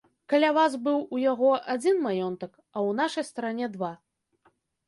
Каля вас быў у яго адзін маёнтак, а ў нашай старане два.